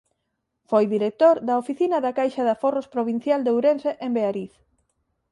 Foi director da oficina da Caixa de Aforros Provincial de Ourense en Beariz.